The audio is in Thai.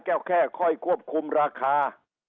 แค่ค่อยควบคุมราคา